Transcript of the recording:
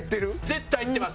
絶対いってます。